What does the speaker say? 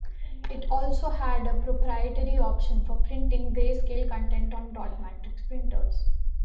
It also had a proprietary option for printing grayscale content on dot matrix printers.